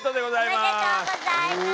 おめでとうございます！